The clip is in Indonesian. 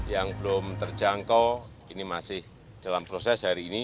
yang belum terjangkau ini masih dalam proses hari ini